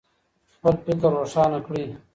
خپل فکر روښانه کړئ.